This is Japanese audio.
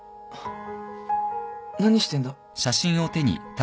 何してんだ？